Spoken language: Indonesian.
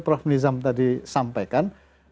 prof nizam tadi sampaikan